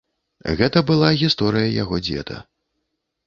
Гэта была гісторыя яго дзеда.